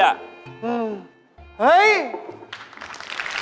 เฮ้ย